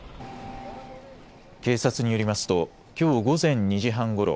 警察によりますときょう午前２時半ごろ